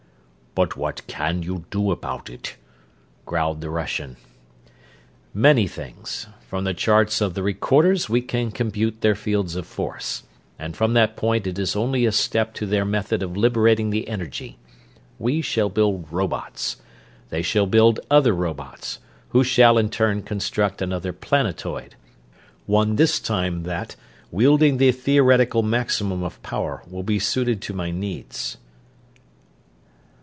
"But what can you do about it?" growled the Russian. "Many things. From the charts of the recorders we can compute their fields of force, and from that point it is only a step to their method of liberating the energy. We shall build robots. They shall build other robots, who shall in turn construct another planetoid; one this time that, wielding the theoretical maximum of power, will be suited to my needs."